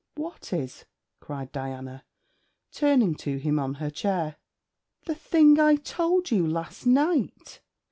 'What is?' cried Diana, turning to him on her chair. 'The thing I told you last night.'